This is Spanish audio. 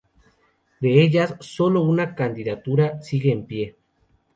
De ellas, solo una candidatura sigue en pie.